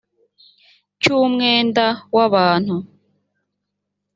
cy umwenda w abantu